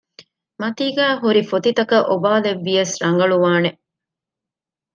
މަތީގައި ހުރިފޮތިތަކަށް އޮބާލެއްވިޔަސް ރަނގަޅުވާނެ